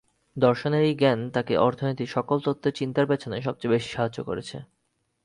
দর্শনের এই জ্ঞান তাকে অর্থনীতির সকল তত্ত্বের চিন্তার পেছনে সবচেয়ে বেশি সাহায্য করেছে।